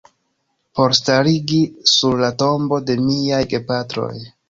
Por starigi sur la tombo de miaj gepatroj.